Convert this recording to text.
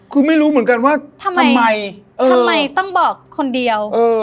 คือไม่รู้เหมือนกันว่าทำไมทำไมต้องบอกคนเดียว